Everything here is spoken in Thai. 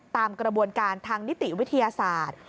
ตามกระบวนการทางนิติวิทยาศาสตร์